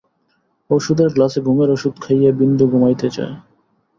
ওষুধের গ্লাসে ঘুমের ওষুধ খাইয়া বিন্দু ঘুমাইতে যায়।